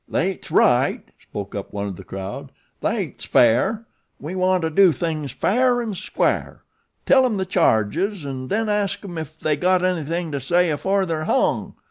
"Thet's right," spoke up one of the crowd. "Thet's fair. We want to do things fair and square. Tell 'em the charges, an' then ask 'em ef they got anything to say afore they're hung."